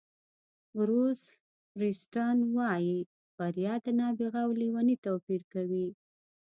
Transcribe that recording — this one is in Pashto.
بروس فیریسټن وایي بریا د نابغه او لېوني توپیر کوي.